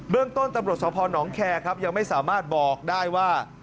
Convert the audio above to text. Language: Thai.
เรื่องต้นตำรวจสพนแคร์ครับยังไม่สามารถบอกได้ว่า